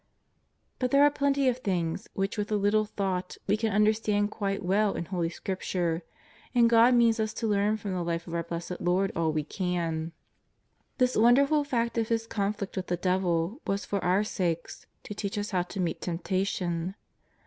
But there are plenty of things which with a little thought we can understand quite well in Holy Scrip ture, and God means us to learn from the Life of our Blessed Lord all we can. This wonderful fact of His conflict with the devil was for our sakes, to teach us how to meet temptation.